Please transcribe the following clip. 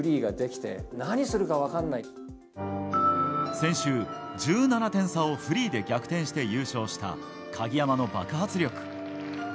先週、１７点差をフリーで逆転して優勝した鍵山の爆発力。